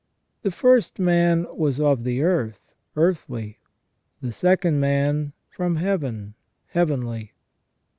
The first man was of the earth, earthly : the second man from heaven, heavenly.